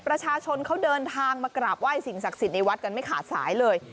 ประชาชนเขาเดินทางมากราบไห้สิ่งศักดิ์สิทธิ์ในวัดกันไม่ขาดสายเลย